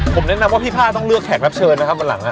ผมแนะนำพี่พ่าต้องเลือกแขกลับเชิญนะครับข้างหลัง